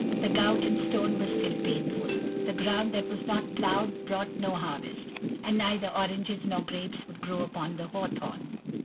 The gout and stone were still painful, the ground that was not ploughed brought no harvest, and neither oranges nor grapes would grow upon the hawthorn.